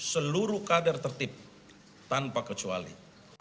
seluruh kader tertib tanpa kecuali